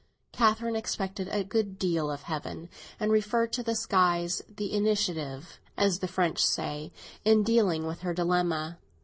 Catherine expected a good deal of Heaven, and referred to the skies the initiative, as the French say, in dealing with her dilemma.